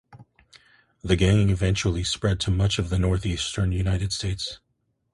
The gang eventually spread to much of the Northeastern United States.